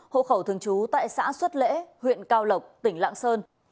hộ khẩu thường trú tại xã xuất lễ huyện cao lộc tỉnh lạng sơn